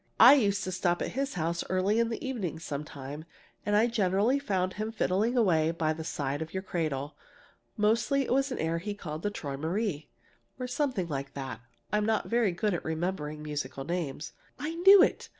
"I used to stop at his house early in the evening sometimes, and I generally found him fiddling away by the side of your cradle. Mostly it was an air he called 'Träumerei,' or something like that. I'm not very good at remembering musical names." "I knew it!